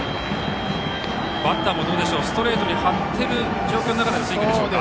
バッターもストレートに張っている状況の中でのスイングでしょうか。